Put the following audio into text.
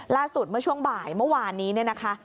ล่าสุดเมื่อช่วงบ่ายเมื่อวานนี้นะคะ